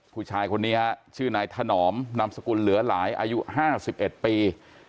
ผู้ชายคนนี้ฮะชื่อนายถนอมนามสกุลเหลือหลายอายุ๕๑ปี